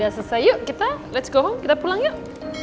udah selesai yuk kita let's go home kita pulang yuk